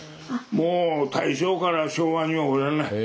もう大正から昭和にはおらない。